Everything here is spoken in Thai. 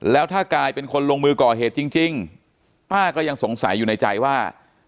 แล้วถ้ากายเป็นคนลงมือก่อเหตุจริงป้าก็ยังสงสัยอยู่ในใจว่า